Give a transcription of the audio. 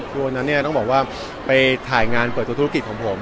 คือวันนั้นเนี่ยต้องบอกว่าไปถ่ายงานเปิดตัวธุรกิจของผม